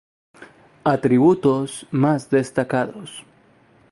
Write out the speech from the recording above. Atributos más destacados.